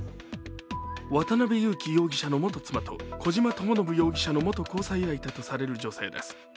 渡辺優樹容疑者の元妻と小島智信容疑者の元交際相手とされる女性です。